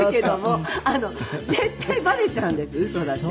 絶対バレちゃうんです嘘だって。